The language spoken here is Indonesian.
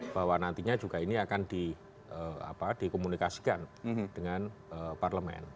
bahwa nantinya juga ini akan dikomunikasikan dengan parlemen